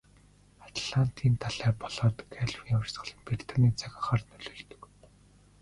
Атлантын далай болоод Галфын урсгал нь Британийн цаг агаарт нөлөөлдөг.